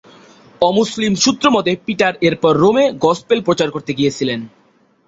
অমুসলিম সূত্র মতে পিটার এরপর রোমে গসপেল প্রচার করতে গিয়েছিলেন।